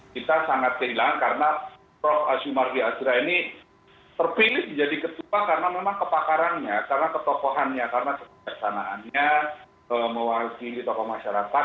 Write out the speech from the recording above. kita sangat kehilangan karena prof sumardi azra ini terpilih menjadi ketua karena memang kepakarannya karena ketokohannya karena kebijaksanaannya mewakili tokoh masyarakat